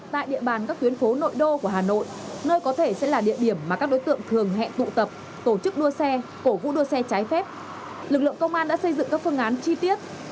tại địa bàn các tuyến phố nội đô của hà nội nơi có thể sẽ là địa điểm mà các đối tượng thường hẹn tụ tập tổ chức đua xe cổ vũ đua xe trái phép lực lượng công an đã xây dựng các phương án chi tiết